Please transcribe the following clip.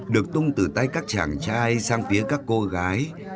được tung từ tay các chàng trai sang phía các cô gái